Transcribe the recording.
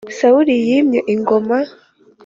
Sawuli yimye ingoma